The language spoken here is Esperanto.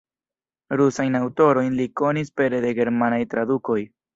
Rusajn aŭtorojn li konis pere de germanaj tradukoj.